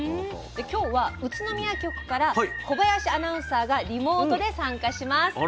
で今日は宇都宮局から小林アナウンサーがリモートで参加します。